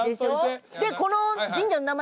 でこの神社の名前